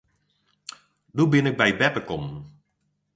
Doe bin ik by beppe kommen.